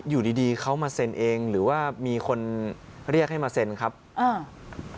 อยู่ดีดีเขามาเซ็นเองหรือว่ามีคนเรียกให้มาเซ็นครับอ่า